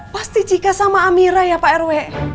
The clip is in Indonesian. pasti jika sama amira ya pak rw